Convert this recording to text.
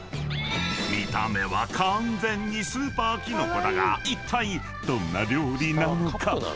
［見た目は完全にスーパーキノコだがいったいどんな料理なのか？］